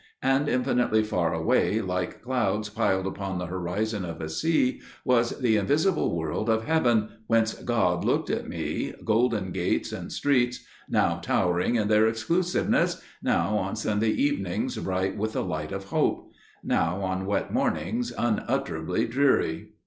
And infinitely far away, like clouds piled upon the horizon of a sea, was the invisible world of heaven whence God looked at me, golden gates and streets, now towering in their exclusiveness, now on Sunday evenings bright with a light of hope, now on wet mornings unutterably dreary.